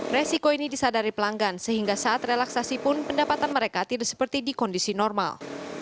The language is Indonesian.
resiko ini disadari pelanggan sehingga saat relaksasi pun pendapatan mereka tidak seperti di kondisi normal